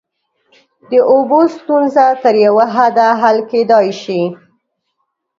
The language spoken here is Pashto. د اوبو ستونزه تر یوه حده حل کیدای شي.